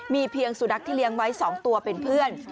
มีเพียงสุดรักษณ์ที่เลี้ยงไว้สองตัวเป็นเพื่อน